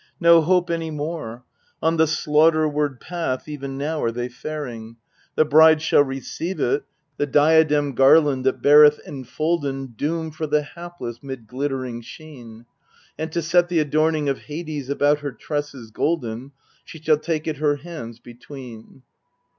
No hope any more ! On the slaughterward path even now are they faring ! The bride shall receive it, the diadem garland that beareth enfolden Doom for the hapless mid glittering sheen: And to set the adorning of Hades about her tresses golden She shall take it her hands between.